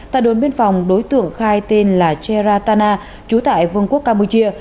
tại đồn biên phòng đối tượng khai tên là cheratana chú tại vương quốc campuchia